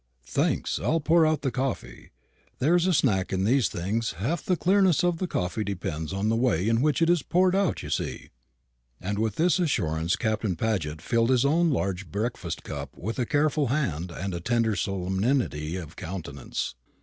"Thanks; I'll pour out the coffee; there's a knack in these things; half the clearness of coffee depends on the way in which it's poured out, you see." And with this assurance Captain Paget filled his own large breakfast cup with a careful hand and a tender solemnity of countenance.